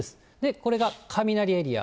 これが雷エリア。